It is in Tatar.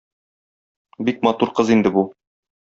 Бик матур кыз инде бу.